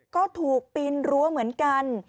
ก็ถูกปีนรั้วเหมือนกัน